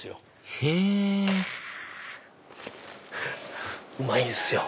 へぇうまいんですよ